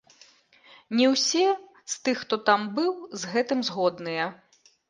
Не ўсе, з тых, хто там быў, з гэтым згодныя.